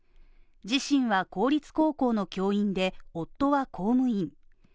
自身は公立高校の教員で、夫は公務員。